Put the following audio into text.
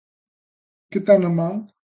Que ten na man?